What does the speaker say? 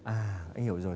à anh hiểu rồi